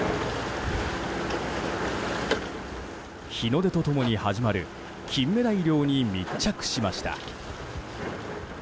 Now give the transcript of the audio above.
日の出と共に始まるキンメダイ漁に密着しました。